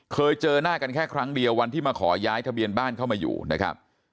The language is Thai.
เคยเจอหน้ากันแค่ครั้งเดียววันที่มาขอย้ายทะเบียนบ้านเข้ามาอยู่นะครับ